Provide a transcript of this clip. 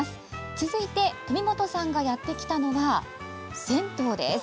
続いて、富本さんがやってきたのは銭湯です。